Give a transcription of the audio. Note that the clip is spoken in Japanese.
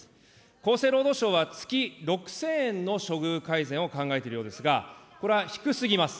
厚生労働省は月６０００円の処遇改善を考えているようですが、これは低すぎます。